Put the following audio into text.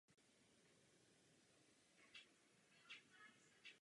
Úvodní kytarový riff je jeden z nejčastěji hraných motivů na kytaře vůbec.